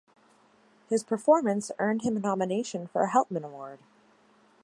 His performance earned him a nomination for a Helpmann Award.